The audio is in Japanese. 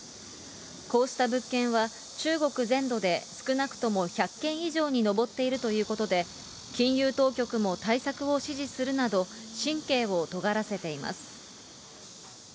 こうした物件は、中国全土で少なくとも１００件以上に上っているということで、金融当局も対策を指示するなど、神経をとがらせています。